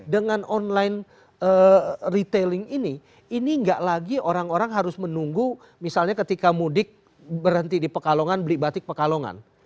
dengan online retailling ini ini nggak lagi orang orang harus menunggu misalnya ketika mudik berhenti di pekalongan beli batik pekalongan